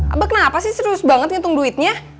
abah kenapa sih serius banget ngitung duitnya